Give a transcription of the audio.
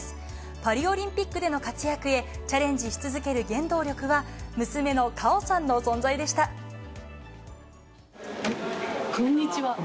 パリオリンピックでの活躍へ、チャレンジし続ける原動力は、こんにちは。